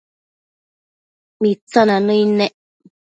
Mitsina nëid nec